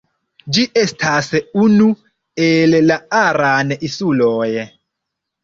Ĝi estas unu el la Aran-insuloj.